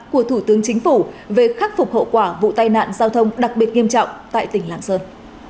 của thủ tướng chính phủ về khắc phục hậu quả vụ tai nạn giao thông đặc biệt nghiêm trọng tại tỉnh lạng sơn